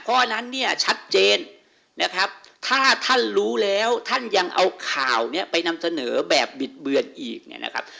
อันนั้นเนี่ยชัดเจนนะครับถ้าท่านรู้แล้วท่านยังเอาข่าวเนี่ยไปนำเสนอแบบบิดเบือนอีกเนี่ยนะครับ